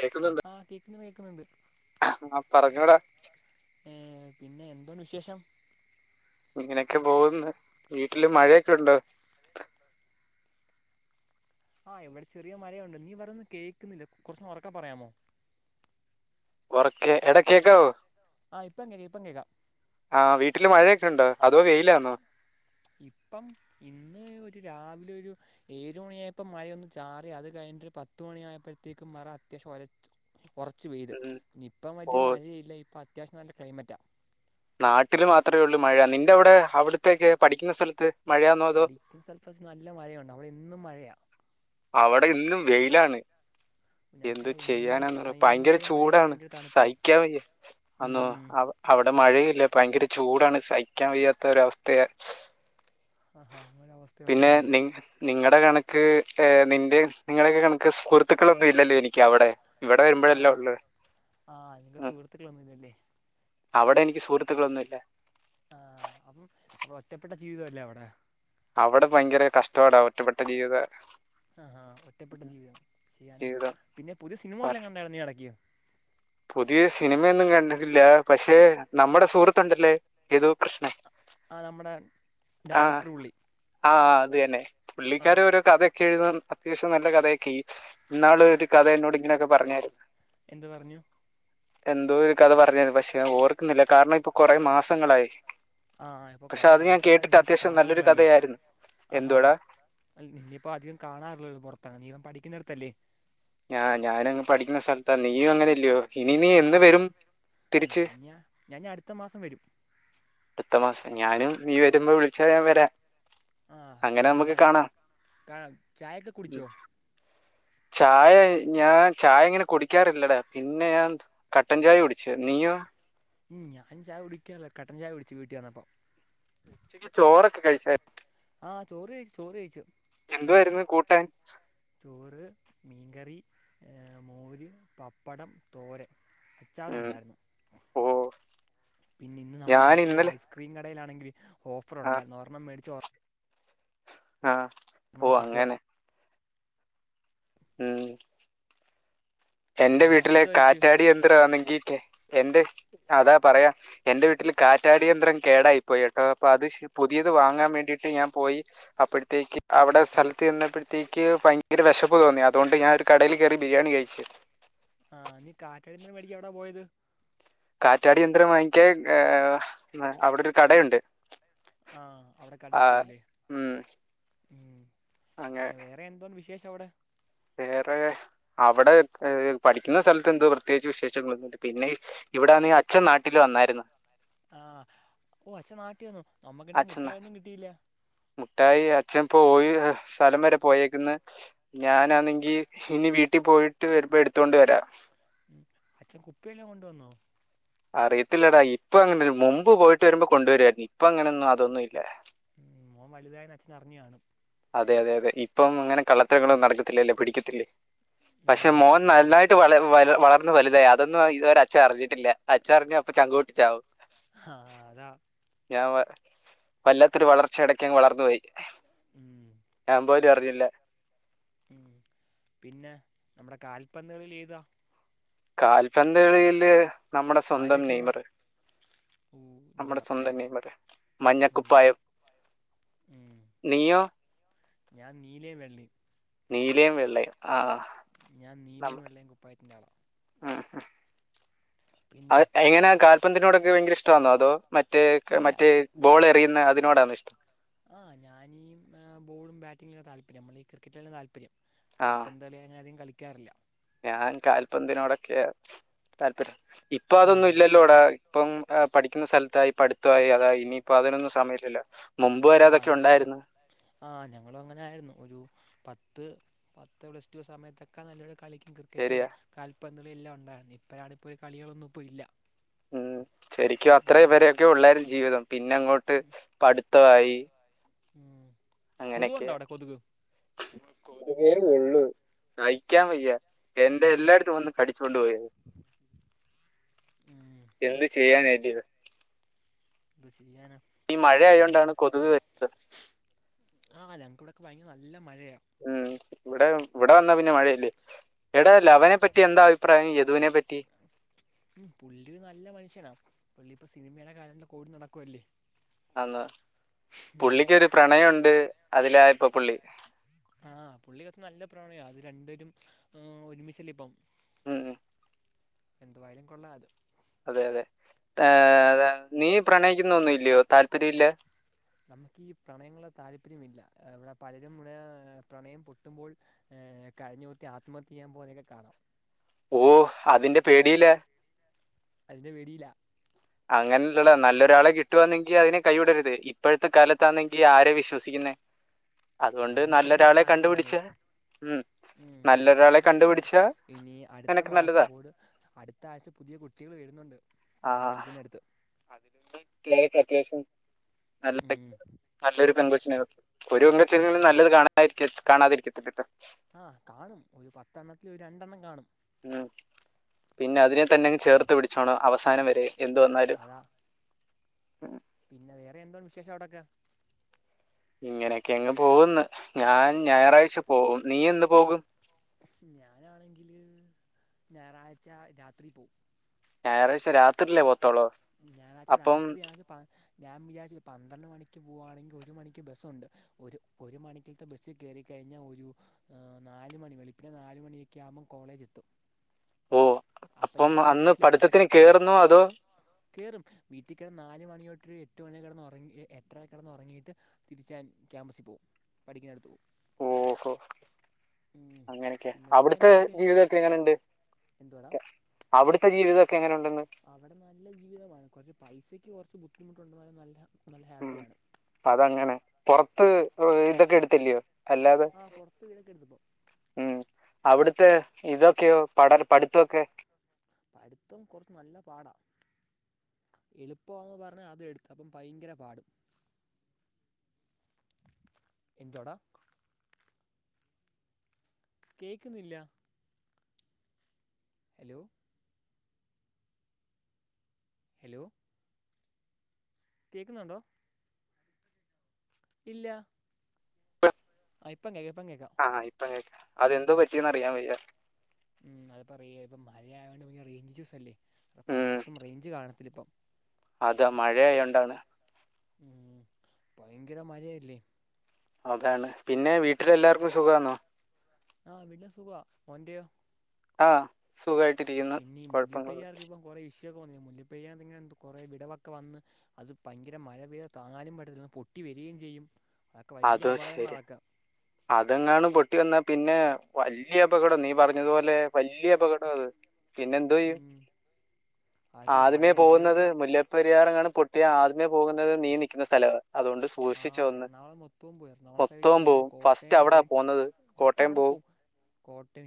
കേക്ക്ന്ന് - ആഹ് കേക്ന്ന് കേക്ക്ന്ന്ണ്ട് ആഹ് പറഞ്ഞോ ടാ ഏഹ് പിന്നെ എന്തൊണ്ട് വിശേഷം ഇങ്ങനെക്കെ പോകുന്ന് വീട്ടില് മഴയൊക്കെ ഉണ്ടോ ആഹ് ഇവിടെ ചെറിയ മഴയുണ്ട് നീ പറീന്ന് കേക്ക്ന്നില്ല കൊറച്ചൊന്നെ ഒറക്കെ പറയാമോ ഒറക്കെ എടാ കേക്കാവോ ആ ഇപ്പം കേക്കാം ഇപ്പം കേക്കാം ആവീട്ടില് മഴൊക്കെണ്ടോഅതോ വെയിൽ ആന്നോ ഇപ്പം ഇന്ന് ഒരു രാവിലെ ഒരു ഏഴു മണിആയപ്പോ മഴയൊന്ന് ചാറി അത് കഴിഞ്ഞിട്ട് പത്ത്മണിയ ആയപ്പഴത്തേക്കും മറ അത്യാവശ്യം ഒലച്ചു കുറച്ച് പെയ്ത് ഉം. ഇനി ഇപ്പം ഓ വലിയ മഴയില്ല ഇപ്പൊ അത്യാവശ്യം നല്ല ക്ലൈമറ്റാ നാട്ടിൽ മാത്രേഉള്ളൂ മഴ നിന്റെ അവിടെ അവിടുത്തെക്കെ പഠിക്കുന്ന സ്ഥലത്ത് മഴയാണോ അതോ പഠിക്കുന്ന സ്ഥലത്ത് വെച്ച് നല്ല മഴയുണ്ട് അവിടെ എന്നും മഴയാ അവിടെ ഇന്നും വെയിലാണ് എന്തു ഞങ്ങക്കവിടെ എന്നും ചെയ്യാനാന്ന് ഭയങ്കര മഴയും ചൂടാണ് ഭയങ്കര തണുപ്പുവാ സഹിക്കാൻ വയ്യ അന്നോ ഉം ആവോ അവിടെ മഴയില്ല ഭയങ്കര ചൂടാണ് സഹിക്കാൻ വയ്യാത്ത ഒരവസ്ഥയ ആഹാ അങ്ങനെ പിന്നെ അവസ്ഥയുണ്ടല്ലേ നി നിങ്ങടെ കണക്ക് നിന്റെ നിങ്ങളൊക്കെ കണക്ക് സുഹൃത്തുക്കളൊന്നും ഇല്ലല്ലോ എനിക്ക് അവിടെ ഇവിടെ വരുമ്പോഴല്ല ആഹ് ഉള്ളു ആ നിനക്ക് ആ, സുഹൃത്തുക്കൾ ഒന്നും ഇല്ലല്ലേ അവിടെ എനിക്ക് സുഹൃത്തുക്കളൊന്നുല്ല ആ അപ്പം അ ഒറ്റപ്പെട്ട ജീവിതല്ലേ അവിടെ അവിടെ ഭയങ്കര കഷ്ടാടാ ഒറ്റപ്പെട്ട ജീവിത ആ ആ ഒറ്റപ്പെട്ട ജീവിതം ചെയ്യാനാ ജീവിതം പിന്നെ പുരു സിനിമ വല്ലോം പറ- കണ്ടത് നീ ഇറക്കിയോ പുതിയ സിനിമയൊന്നും കണ്ടില്ല പക്ഷേ നമ്മുടെ സുഹൃത്തുണ്ടല്ലേ ഏതു കൃഷ്ണൻ ആ നമ്മുടെ ആഹ് ഡയറക്ടർ പുള്ളി ആഹ് അതന്നെ പുള്ളിക്കാര ആഹ് ഓരോ കഥ കെ എഴുതും അത്യാവശ്യം നല്ല കഥയൊക്കെയ് ഇന്നാള് ഒരു കഥ എന്നോട് ഇങ്ങനെയൊക്കെ പറഞ്ഞായിരുന്നു എന്ത് പറഞ്ഞു എന്തോ ഒരു കഥ പറഞ്ഞത് പക്ഷെ ഓർക്കുന്നില്ല കാരണം ഇപ്പൊ കുറെ മാസങ്ങളായി ആ ഇപ്പൊ പക്ഷെ കൊറെ അത് ഞാൻ മാസങ്ങളായി കേട്ടിട്ട് ഇനിയിപ്പോ അത്യാവശ്യം നല്ലൊരു കാണാറില്ലല്ലോ കഥയായിരുന്നു ആഹാ എന്തോടാ അ നിന്നയിപ്പോ അധികം കാണാറില്ലല്ലോ പുറത്തങ്ങി നീ അവിടെ പഠിക്കുന്നിടത്തല്ലേ ആഹ് ഞാനങ്ങ് പഠിക്കുന്ന സ്ഥലത്താ നീയും അങ്ങനെയല്ലയോ ഇനി നീ എന്ന് ആഹ് വരും തിരിച്ച് ഞാനിഞ്ഞാ ഞാനിഞ്ഞി അടുത്ത മാസം വരും അടുത്ത മാസം ഞാനും നീ വരുമ്പോ വിളിച്ചഞൻ വരാ ആ പിന്നെ ക ചായൊക്കെ ഉം. കുടിച്ചോ ചായ ഞാൻ ചായ അ ങ്ങനെ കുടിക്കാറില്ലടാ പിന്നെ ഞാൻ കട്ടൻചായ കുടിച്ച് നിയോ ഉ ഞൻ ചായ കുടിക്കാറില്ല കട്ടൻ ചായ കുടിച്ച് വീട്ടിൽ വന്നപ്പോൾ ഉച്ചയ്ക്ക് ചോറൊക്കെ കഴിച്ചായിരുന്നു ആ ചോർ ചോർ കഴിച്ചു എന്തുവായിരുന്നു കൂട്ടാൻ ചോറ് മീൻകറി മോര് പപ്പടം തോരൻ അച്ചാറും ഉം. ഉണ്ടായിരുന്നു ഓ പിന്നെ ഇന്ന് ഞാൻ നമ്മളിവിടുത്തെ ഒരു ഇന്നലെ ഐസ്ക്രീം കടയിലാണെങ്കിൽ ആ ഓഫർുണ്ടായിരുന്നു ഒരെണ്ണം മേടിച്ചു വന്നു ആഹ ഒരണം കൂടി കിട്ടുവയിരുന്നെങ്കിൽ ഉ എന്റെ അങ്ങനെ വീട്ടിലെ നീ ചോദിച്ചു കാറ്റാടി യന്ത്രമാണെങ്കിൽ എന്റെ അതാ പറയാം എന്റെ വീട്ടിൽ കാറ്റാട യന്ത്രം കേടായിപ്പോയി കേട്ടോ അപ്പൊ അത് പുതിയത് വാങ്ങാൻ വേണ്ടിട്ട് ഞാൻ പോയി അപ്പോഴത്തേക്കും അവിടെ ആ സ്ഥലത്ത് നിന്നപ്പോഴത്തേക്ക് ഭയങ്കര വിശപ്പ് തോന്നി അതുകൊണ്ട് ഞാനൊ ഒരു കടയിൽ കയറി ബിരിയാണി കഴിച്ചു ആഹ് കാറ്റാടി യന്ത്രംമേടിക്കാൻ ആണ് എവിടെ പോയത് കാറ്റാടി യന്ത്രം വാങ്ങിക്കാൻ ഏഹ് അവിടെ ഒരു കടുണ്ട് ആഹ അവിടെ കടയിൽ പോയല്ലേ ഉം, ഉ അങ്ങനെ പിന്നെ വേറെ എന്തോ വിശേഷം വിശേഷം അവിടെ വേറെ അവിടെ പഠിക്കുന്ന സ്ഥലത്ത് എന്തോ പ്രത്യേകിച്ച് വിശേഷങ്ങൾ ഒന്നും മില്ല പിന്നെ ഇവിടെ അന്നേ അച്ഛൻ നാട്ടില് വന്നായിരുന്നു ആഹ് ഓഅച്ഛൻ നാട്ടിൽ വന്നോ നമ്മക്കുള്ള അച്ഛൻ മിട്ടായി ഒന്നും കിട്ടിയില്ല മുട്ടായി അച്ഛൻ പോയി ഇപ്പോ സ്ഥലം വരെ പോയേക്കന്ന് ഞാനാണെങ്കിൽ ഇനി വീട്ടിൽ പോയിട്ട് വരുമ്പോൾ എടുത്തോണ്ട് വരാ ഉം അച്ഛൻ കുപ്പിയെല്ലാം കൊണ്ടുവന്നോ അറിയത്തില്ലേടാ ഇപ്പ അങ്ങനെ മുമ്പ് പോയിട്ട് വരുമ്പോൾ കൊണ്ടുവരുരുന്നു ഇപ്പൊ അങ്ങനെന്നും അതൊന്നുമല്ലേ മോൻ വലുതായി അച്ഛൻ അറിഞ്ഞ കാണും അതെ അതെ അതെ ഇപ്പോ അങ്ങനെ കള്ളത്തരങ്ങളും നടക്കത്തില്ല അല്ലേ പിടിക്കത്തില്ലേ പക്ഷെ ഉം, മോൻ പിന്നെ നന്നായിട്ട് വളർന്നു വലുതായി അതൊന്നുംഇതുവരെ അച്ഛൻ അറിഞ്ഞിട്ടില്ല അച്ഛൻ അറിഞ്ഞാൽ അപ്പോ ചങ്ക് പൊട്ടി ചാവും ആഹ അതാ ഞാൻ വല്ലാത്തൊരു വളർച്ച ഇടക്കങ്ങ് വളർന്നു പോയി ഉം ഞാൻ പോലും അറിഞ്ഞില്ല ഉം പിന്നെ നമ്മുടെ കാൽപന്തുകളിൽ ഏതാ കാൽപന്ത് കളിയിൽ നമ്മുടെ ആരെ സ്വന്തം ടീമാ നെയ്മറ് ഓ നമ്മുടെ നെയ്മർ സ്വന്തം അല്ലയോ നെയ്മർ മഞ്ഞക്കുപ്പായം ഉ നിയോ ഞാൻ നീലിയം വെള്ളി നീലയും വെള്ളയും ആ ഞാൻ നീലയും നമ്മ- വെള്ളയും കുപ്പായത്തിന്റെ ആളാണ് ഉം പിന്നെ അ എങ്ങനെ കാൽപ്പതിനോടൊക്കെ ഭയങ്കര ഇഷ്ടമാണോ അതോ മറ്റേ ഇല്ല മറ്റേ ബോൾ എറിയുന്ന അതിനോടാണോ ഇഷ്ടം ആ ഞാനീ ബോളും ബാറ്റിങ്ങുംക്കെ താല്പര്യം നമ്മൾ ഈ ക്രിക്കറ്റിലാം താല്പര്യം ആ കാൽപ്പന്തളി അങ്ങനെ ആധികം കളിക്കാറില്ല ഞാൻ കാൽപന്തിനതിനോടൊക്കെ താല്പര്യം ഇപ്പൊ അതൊന്നും ഉം ഇല്ലല്ലോ അടാ ഇപ്പം പഠിക്കുന്ന സ്ഥലത്തായി പഠിത്തമായി അത ഇനിയിപ്പോ അതിനൊന്നും സമയല്ലില്ല ആഹ ഇനിയിപ്പം ആ് ഞങ്ങള അങ്ങനെ ആരുന്നു ഒരു പത്ത് പത്ത് പ്ലസ് ടു സമയത്തൊക്കെ ഒക്കെ നല്ലൊരു കളിക്കും ക്രിക്കറ്റും ശരിയാ കാൽപന്തളും എല്ലാം ഉണ്ടായിരുന്നു ഇപ്പോഴാണ് പോയി കളികളൊന്നും പോയി ഇല്ല ഉം. ശരിക്കും ഉം അത്രയും പേരൊക്കെ ഉള്ളേരും ജീവിതം പിന്നെ അങ്ങോട്ട് പഠിത്തമായി ഉം [unintelligible] അങ്ങനെയൊക്കെയ കൊതുകുണ്ടോ അവിടെ കൊതുക് ഒരു പേ ഉള്ളു സഹിക്കാൻ വയ്യ എന്റെ എല്ലായിടത്തും വന്ന് കടിച്ചൊണ്ട്ു പോോയത് ഉം എന്ത് ചെയ്യൻേണ്ടിയത് ന്ത് ചെയ്യാനാ ഈ മഴയതോണ്ടാണ് കൊതുക് വരുന്നത് ആഹ് ഞക്കൂടെക്ക ഭയങ്കര നല്ല മഴയാണ് ഉം ഇവിടെ ഇവിടെ വന്നാ പിന്നെ മഴയല്ലേ ഇവിടെ ലവനെപ്പറ്റി എന്താ അഭിപ്രായം യദുവിനെ പറ്റി ഉം പുള്ളി നല്ല മനുഷ്യനാ പുള്ളി ഇപ്പൊ സിനിമയുടെ കാലയല്ല ഓടി നടക്കുവല്ലേ അ പുള്ളിക്കൊരു പ്രണയംുണ്ട് അതിലാ ഇപ്പൊ പുള്ളി ആഹ പുള്ളിക്കൊക്കെ നല്ല പ്രണയ അത് രണ്ടേരും ഒരുമിിച്ചല്ലേ ഇപ്പം ഉം് ഉ [unintelligible] എന്തുായാലും കൊള്ളാ അതും അതെ അതെ ഏ നീ പ്രണയിക്കുന്നൊന്നും ഇല്ലയോ താല്പര്യം ഇില്ല നമുക്ക്ീഈ പ്രണയങ്ങളെ താല്പര്യമില്ല ഇവിടെ പലരും ഇവിടെ പ്രണയം പൊട്ടുമ്പോൾ ഏഹ് കഴിഞ്ഞ കുത്തി ആത്മഹത്യ ചെയാൻ പോവുന്നയൊക്കെ കാണാം ഓ അതിന്റെ പേടില്ലേ അതിന്റെ പേടിയില അങ്ങനെയല്ലടാ നല്ലൊരാളെ കിട്ടുവാന്നെങ്കി അതിനെ കൈവിടരുത് ഇപ്പോഴത്തെ കാലത്താന്നെങ്കി ആര വിശ്വസിക്കുന്നേ അതുകൊണ്ട് അതും ശരിയാ നല്ലൊരാളെ താങ്കൾ പറഞ്ഞത് കണ്ടുപിടിച്ചേ ഉം ആരെലും കണ്ടുപിടിക്കണം ഇനി അടുത്ത നിനക്ക് മാസം നല്ലതാ പോട് അടുത്ത ആഴ്ച പുതിയ കുട്ടി കുട്ടികൾ വരുന്നുണ്ട് ഞാൻ പഠിക്കുന്നടുത്ത് അതിലക് കെ അത്യാവശ്യം നല്ല ടെക് ഉം നല്ലൊരു പെങ്കച്ചിന ഒരു പെങ്കൊച്ച് എങ്കിലും ഉം നല്ലത് കാണാതിരിക്ക പകാണാതിരിക്കത്തിലട്ടോ അ കാണും ഒരു പത്തെണ്ണത്തി ഒരു രണ്ടെണ്ണം കാണും ഉം പിന്നെ അതിനെ തന്നെ അങ്ങ് ചേർത്ത് പിടിച്ചോണം അവസാനം വരെ എന്തുവന്നാലും അതാ പിന്നെ വേറെ എന്തോ വിശേഷം അവിടൊക്ക ഇങ്ങനെയൊക്കെ അങ്ങ് പോകന്ന് ഞാൻ ഞായറാഴ്ച പോകും നീ എന്ന് പോകും ഞാനാണെങ്കിൽ ഞായറാഴ്ച രാത്രി പേവും ഞായറാഴ്ച രാത്രില്ലേ പോ ഞായറാഴ്ച രാത്രി ആകെ പ ഞാൻ വിചാരിച്ചു പന്ത്രണ്ട് മണിക്ക് പോകയാണെങ്കിൽ ഒരു മണിക്ക് ബസ്സുണ്ട് ഒരു ഒരു മണിക്ക് ബസ്സിൽ കയറിക്കഴിഞ്ഞാൽ ഒരു നാല് മണി വെളുപ്പിന് നാല് മണിയൊക്കെ ആവുമ്പോം കോളേജ് എത്തും ഓ അപ്പം അന്ന് പഠിത്തത്തിന് കയറുന്നോ അതോ കേറും വീട്ടിൽ കിടന്ന് നാലു മണി തൊട്ട് എട്ട് മണി വരെ കിടന്നുറങ്ങി എ എട്ടര വരെ കിടന്നുറങ്ങിയിട്ട് തിരിച്ചൻ ക്യാമ്പസിൽ പോവും പഠിക്കുന്നടുത്ത് പോവും ഓഹോ അങ്ങനൊക്കെ പിന്നെ വേറെ അവിടുത്തെ എന്താണ് വിശേഷം ജീവിതൊക്കെ എങ്ങനെ ഉണ്ട് എന്തുവാടാ അവിടുത്തെ ജീവിതം ഒക്കെ എങ്ങനെ ഉണ്ടെന്ന് അവിടെ നല്ല ജീവിതമാണ് കുറച്ച് പൈസയ്ക്ക് കുറച്ച് ബുദ്ധിമുട്ടുണ്ടെന്നാലും നല്ല നല്ല ഹാപ്പിയാണ് അത് അങ്ങനെ പൊറത്ത് വീടൊക്കെ എടുത്തില്ലയോ അല്ലാതെ ആഹ് പൊറത്ത് വീടൊക്കെ എടുത്തിപ്പോ ഉം അവിടുത്തെ ഇതൊക്കെയോ പഠനം പഠിത്തൊക്കെ- പഠിത്തം കൊറച്ച് നല്ല പാടാ എളുപ്പവാന്ന് പറഞ്ഞാ അത് എടുത്ത അപ്പം ഭയങ്കര പാട് എന്തുവാടാ കേക്കുന്നില്ല ഹലോ ഹലോ കേൾക്കുന്നുണ്ടോ ഇല്ല ആഹ് ഇപ്പം കേക്കാം ഇപ്പം കേക്കാം ആഹ് ഇപ്പം കേക്കാം അതെന്തോ പറ്റിന്ന് അറിയാൻ വയ്യ ഉം അതു പറയുവായിരുന്നു മഴയയാേണ്ട് നമുക്ക് റേയിഞ്ച് ഇഷൂസ് അല്ലേ ഉം പലയിടത്തും റേഞ്ച് കാണത്തില ഇപ്പം ആഹ് മഴയായോണ്ടാണ് ഉം ഭയങ്കര മഴായല്ലേ അതാണ് പിന്നെ വീട്ടിലെല്ലാവർക്കും സുഖം ആന്നോ ആഹ് പിന്നെ സുഖവാ ഓന്റയോ ആഹ് സുഖമായിട്ടിരിക്കുന്നു കൊഴപ്പങ്ങളൊന്നുയില്ല കൊറേ ഇഷ്യൂ ഒക്കെ വന്ന് മുല്ലപ്പെരിയാർ ഇങ്ങനെ എന്തോ കുറെ വിടവോക്കെ വന്ന് അത് ഭയങ്കര മഴ പെയ്താ താങ്ങാനും പറ്റത്തില്ല പൊട്ടി വരികയും ചെയ്യും അതൊക്കെ വലിയ അതും അപകടങ്ങളാണ് ശരിയാ അതൊക്കെ അതെങ്ങാണ് പൊട്ടി വന്ന പിന്നെ വല്ലിയ അപകടം നീ പറഞ്ഞതുപോലെ വല്ലിയ അപകടം അത് പിന്നെ എന്തോ ചെയ്യും ഉം. അത് പല ആദ്യമേ പോകുന്നത് ജില്ലകളും മുല്ല- ല്ല പെരിയാർ എങ്ങാനും പൊട്ടിയ ആദ്യമേ പോകുന്നത് നീ നിക്കുന്ന സ്ഥലവ അതുകൊണ്ട് സൂ- ആഹ് എറണാകുളം മൊത്തവും പോയി [unintelligible] ന്ന് നാൻ സൈഡ് മൊത്തവും പോവും ഫസ്റ്റ് കോട്ടയം അവിടാ പോവും പോന്നത് ഫസ്റ്റ് കോട്ടയം അവിടെ പോവും കോട്ടയം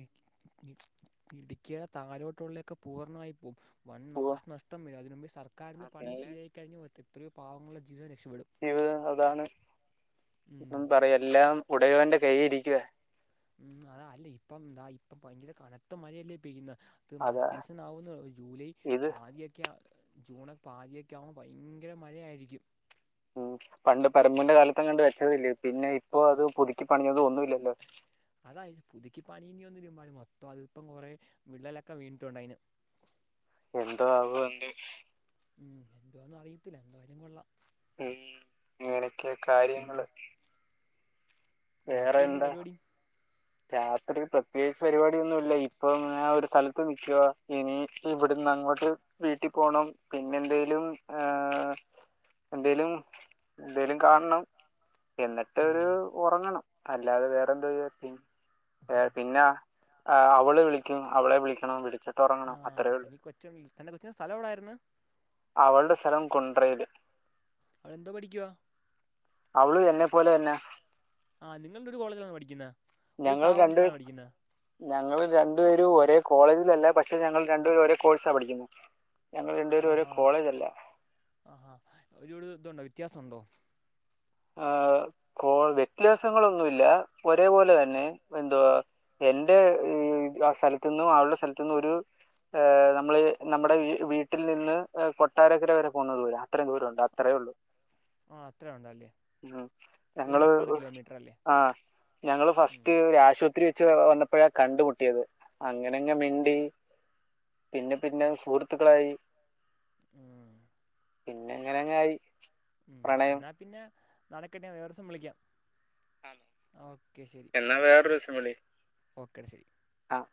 ഇടുക്കിയുടെ താഴൊട്ട് ഉള്ളിലൊക്കെ പൂർണ്ണമായി പോവും വൻ പോവാ നാശനഷ്ടം വരും അതിന് മുമ്പേ സർക്കാരി ആ, നിന്ന് ഫണ്ട് പിന്നെ ശരിയായി കഴിഞ് എത്രയോ പാവങ്ങളുടെ ജീവിതം രക്ഷപ്പെടും ജീവിതം അതാണ് ഉം പറയാ എല്ലാം ഉടയവന്റെ കൈയ്യിൽ ഇരിക്കുവ ഉം അതാ അല്ല ഇപ്പം ഇതാ ഇപ്പ ഭയങ്കര കനത്ത മഴയല്ലേ പെയ്യുന്നെ ഇത് മറ്റ് അതാ സീസൺ ആകുന്നേയുള്ളൂ ജൂലൈ ഇത് പാതിയൊക്കെ ജൂണെ- പാതിയൊക്കെ ആകുമ്പോ ഭയങ്കര മഴയായിരിക്കും ഉം പണ്ട് പരമൂന്റെ കാലതാങ്ങാണ്ട് വെച്ചതല്ലിയോ പിന്നെ ഇപ്പൊ അത് പുതുക്കി പണിഞ്ഞത് ഒന്നുമില്ലല്ലോ അതായത് പുതുക്കി പണിഞ്ഞി വരുമ്പും മൊത്തം അതി ഇപ്പം കുറേ വിള്ളലൊക്കെ വീണിട്ടുണ്ടെയിന് എന്തോ ആവോ എന്ന് [unintelligible] ഉം എന്തുവാന്ന് അറിയത്തില്ല എന്തുവായാലും കൊള്ളാം ഉം ഇങ്ങനൊക്കെയാ പിന്നെ കാര്യങ്ങള് വേറെ എന്താ [inaudible] രാത്രി പ്രത്യേകിച്ച് പരിപാടിയൊന്നും ഇല്ല ഇപ്പൊ ഒരു സ്ഥലത്ത് നിൽക്കുവ ഇനി ഇവിടുന്ന് അങ്ങോട്ട്- വീട്ടിപോണം പിന്നെന്തേലും ഏ- എന്തേലും എന്തേലും കാണണം എന്നിട്ട് ഉം ഒറങ്ങണം അല്ലാതെ വേറെന്തോത് [unintelligible] ചെയ്യും ഏ പിന്നെ അവള് വിളിക്കും അവളെ വിളിക്കണം വിളിച്ചിട്ട് ഒറങ്ങണം അത്രേയുള്ളൂ തന്റെ കൊച്ചിന്റെ സ്ഥലെവിടെയായിരുന്ന് അവളുടെ സ്ഥലം കുണ്ടറേല് അവളെന്തോ പഠിക്കുവാ അവളും എന്നെ പോലെ തന്നയ ആ നിങ്ങള് രണ്ടും ഒരു കോളേജിലാണോ പഠിക്കുന്നെ ഞങ്ങൾ രണ്ട്പേര് ഞങ്ങൾ രണ്ടു പേരും ഒരേ കോളേജിലല്ല പക്ഷെ ഞങ്ങൾ രണ്ടു പേരും ഒരേ കോഴ്സാ പഠിക്കുന്നെ ഞങ്ങൾ രണ്ട് പേരും ഒരേ ആഹാ കോളേജെല്ല ആഹാ ഒരുപട് ഇതുണ്ടോ വ്യത്യാസുണ്ടോ ആ കോ വ്യത്യാസങ്ങളൊന്നുമില്ല ഒരേപോലെ തന്നെ എന്തുവാ എന്റെ ആ സ്ഥലത്തുന്നും അവളുടെ സ്ഥലത്തുന്നും ഒരു ഹ് നമ്മൾ നമ്മുടെ വീട്ടിൽ നിന്ന് കൊട്ടാരക്കര വരെ പോന്ന ദൂര അത്രയും ദൂരം ഉണ്ട് അത്രേ ഉള്ളു ആ അത്ര ഉണ്ടല്ലേ ഉ ഒരു ഞങ്ങള് മുപ്പത് കിലോമീറ്റർ അല്ലേ ആ ഞങ്ങള് ഉം, ഫസ്റ്റൊരു ആശുപത്രി വെച്ച് വന്ന ഇപ്പോഴാ കണ്ടമുട്ടിയത് അങ്ങനെങ്ങ് മിണ്ടി പിന്നെ പിന്നെ സുഹൃത്തുക്കളായി ഉം പിന്നെ അങ്ങെനെങ്ങായി ഉം എന്നാൽ പിന്നെ നടക്കെട്ടെ ഞാൻ വേറേസം വിളിക്കാം ആ എന്നാ വേറൊരുദിവസം വിളി ഓക്കെ ഡാ ശരി ആഹ്